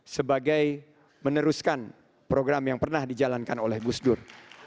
sebagai meneruskan program yang pernah dijalankan oleh gus dur